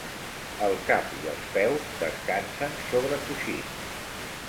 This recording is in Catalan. El cap i els peus descansen sobre coixins.